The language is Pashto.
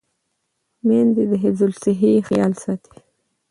میندې د حفظ الصحې خیال ساتي.